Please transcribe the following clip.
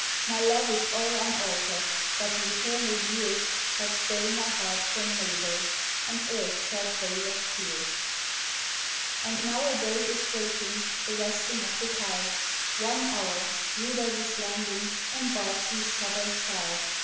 My love is all unaltered, But the eternal years Have stole my heart from Mabel, And earth's sad vale of tears! And now a boat is waiting The resting of the tide, One hour—Rudolph is landing On Bardsey's southern side.